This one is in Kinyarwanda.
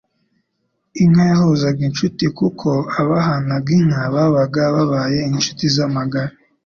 Inka yahuzaga inshuti kuko abahanaga inka babaga babaye inshuti z'amagara.